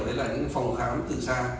đấy là những phòng khám từ xa